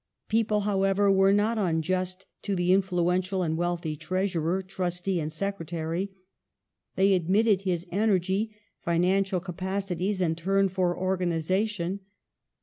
People, however, were not unjust to the influential and wealthy treasurer, trustee, and secretary. They admitted his energy, finan cial capacities, and turn for organization.